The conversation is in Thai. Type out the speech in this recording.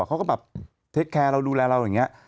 เขาก็แบบดูแลเรา